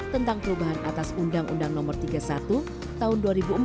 tentang perubahan atas undang undang no tiga puluh satu tahun dua ribu empat